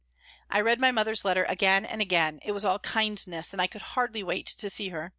I read my mother's letter again and again; it was all kindness, and I could hardly wait to see her.